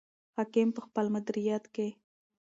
حاکم په خپل مدیریت کې.